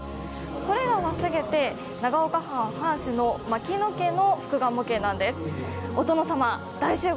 これらは全て長岡藩藩主の牧野家の復顔模型なんです。